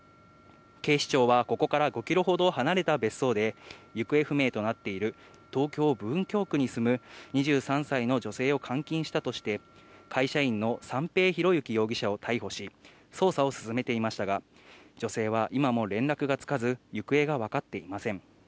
警視庁はここから５キロほど離れた別荘で、行方不明となっている、東京・文京区に住む２３歳の女性を監禁したとして、会社員の三瓶博幸容疑者を逮捕し、捜査を進めていましたが、女性は今も連絡がつかず、行方が分かっていません。